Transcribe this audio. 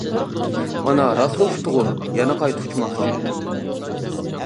مانا راستلا ئۇچتىغۇ، يەنە قايتا ئۇچماقچى.